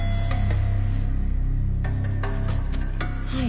・はい。